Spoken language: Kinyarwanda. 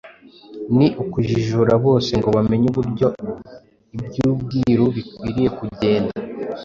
ni “ukujijura bose ngo bamenye uburyo iby’ubwiru bikwiriye kugenda,